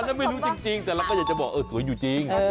อันนั้นไม่รู้จริงแต่เราก็อยากจะบอกสวยอยู่จริง